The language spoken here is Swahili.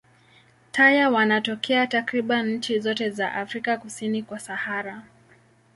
Taya wanatokea takriban nchi zote za Afrika kusini kwa Sahara.